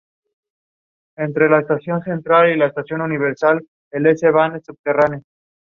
One of them was the German Dadaist John Heartfield.